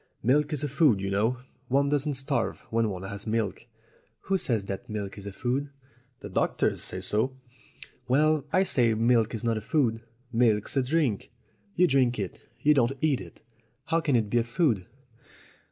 Milk is a food, you know; one doesn't starve when one has milk." "Who says that milk is a food?" "The doctors say so." "Well, I say milk is not a food. Milk's a drink. You drink it; you don't eat it. How can it be a food?"